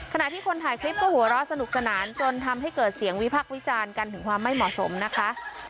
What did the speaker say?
ขณะที่คนถ่ายคลิปก็หัวเราะสนุกสนานจนทำให้เกิดเสียงวิพักษ์วิจารณ์กันถึงความไม่เหมาะสมนะคะ